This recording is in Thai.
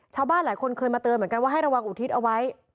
ชาวบ้านหลายคนเคยมาเตือนเหมือนกันว่าให้ระวังอุทิศเอาไว้